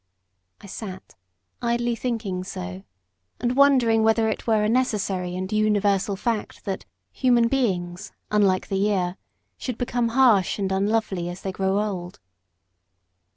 I sat, idly thinking so, and wondering whether it were a necessary and universal fact that human beings, unlike the year, should become harsh and unlovely as they grow old.